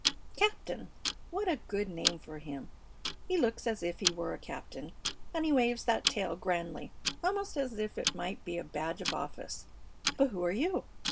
"Captain. What a good name for him. He looks as if he were a captain, and he waves that tail grandly, almost as if it might be a badge of office. But who are you?